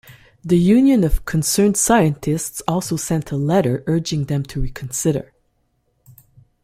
The Union of Concerned Scientists also sent a letter urging them to reconsider.